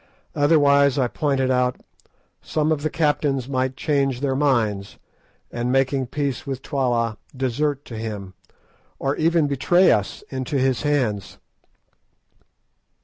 Otherwise, I pointed out, some of the captains might change their minds, and, making peace with Twala, desert to him, or even betray us into his hands.